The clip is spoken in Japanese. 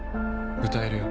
歌えるよ。